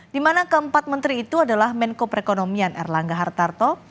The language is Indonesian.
di mana keempat menteri itu adalah menko perekonomian erlangga hartarto